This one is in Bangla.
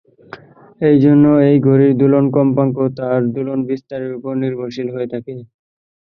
এজন্য এই ঘড়ির দোলন-কম্পাঙ্ক তার দোলন-বিস্তারের উপর নির্ভরশীল হয়ে থাকে।